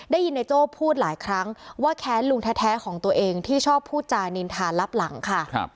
ได้ยินนายโจ้พูดหลายครั้งว่าแค้นลุงแท้ของตัวเองที่ชอบพูดจานินทารับหลังค่ะ